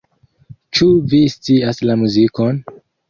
Ĉu vi scias la muzikon?